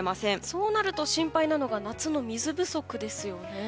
そうなると心配なのが夏の水不足ですよね。